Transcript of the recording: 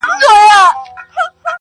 دولت وویل تر علم زه مشهور یم!!